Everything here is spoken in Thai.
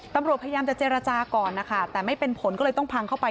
ตำรวจพยายามจะเจรจาก่อนนะคะแต่ไม่เป็นผลก็เลยต้องพังเข้าไป